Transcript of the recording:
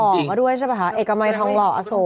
ทองหล่อมาด้วยใช่ป่ะเอกมัยทองหล่ออโศก